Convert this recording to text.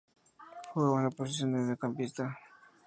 Jugaba en la posición de mediocampista.